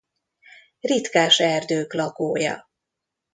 Ritkás erdők lakója.